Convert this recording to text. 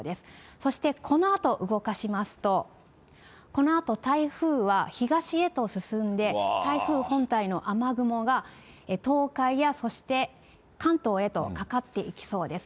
そしてこのあと動かしますと、このあと、台風は東へと進んで、台風本体の雨雲が東海や、そして関東へとかかっていきそうです。